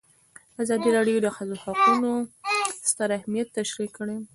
ازادي راډیو د د ښځو حقونه ستر اهميت تشریح کړی.